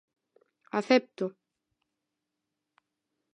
Acepto.